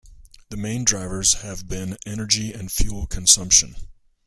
The main drivers have been energy and fuel consumption.